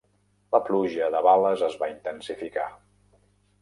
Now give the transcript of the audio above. La pluja de bales es va intensificar.